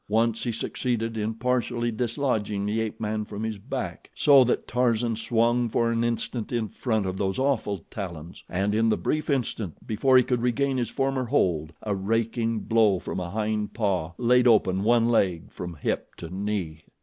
Once he succeeded in partially dislodging the ape man from his back, so that Tarzan swung for an instant in front of those awful talons, and in the brief instant before he could regain his former hold, a raking blow from a hind paw laid open one leg from hip to knee.